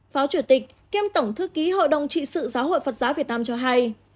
pháo chủ tịch kiêm tổng thư ký hội đồng trị sự giáo hội phật giá việt nam cho hay